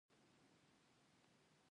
خو هغه د لېوالتیا پر هغه قدرت نه پوهېده.